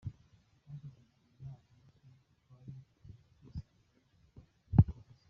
Hashize igihe nta byinshi twari tugisangiye biduhuza.